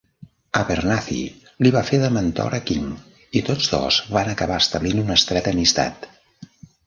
Abernathy li va fer de mentor a King i tots dos van acabar establint una estreta amistat.